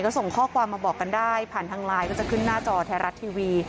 ก็ส่งข้อความมาบอกกันได้ผ่านทางไลน์ก็จะขึ้นหน้าจอไทยรัฐทีวี